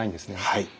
はい。